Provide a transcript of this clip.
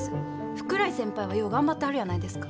福来先輩はよう頑張ってはるやないですか。